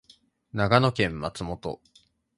長野県松本